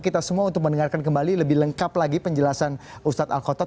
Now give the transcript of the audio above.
kita semua untuk mendengarkan kembali lebih lengkap lagi penjelasan ustadz al khotob